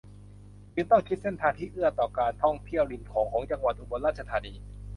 จึงต้องคิดเส้นทางที่เอื้อต่อการท่องเที่ยวริมโขงของจังหวัดอุบลราชธานี